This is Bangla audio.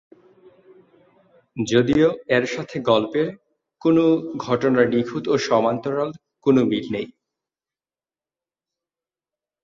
যদিও এর সাথে গল্পের কোন ঘটনার নিখুঁত ও সমান্তরাল কোন মিল নেই।